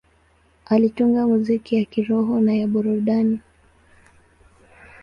Alitunga muziki ya kiroho na ya burudani.